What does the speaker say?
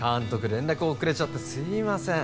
連絡遅れちゃってすいません